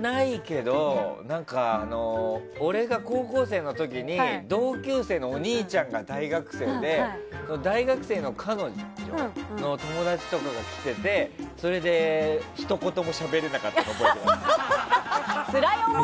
ないけど俺が高校生の時に同級生のお兄ちゃんが大学生で大学生の彼女の友達とかが来ててひと言もしゃべれなかったの覚えています。